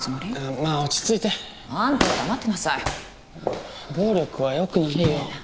まあ落ち着いてあんたは黙ってなさい暴力はよくないよねえ